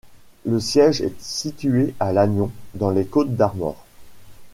Le siège est situé à Lannion dans les Côtes-d'Armor.